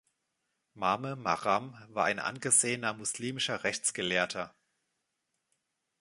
Mame Maram war ein angesehener muslimischer Rechtsgelehrter.